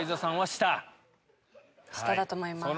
下だと思います。